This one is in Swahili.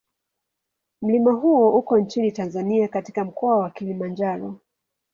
Mlima huo uko nchini Tanzania katika Mkoa wa Kilimanjaro.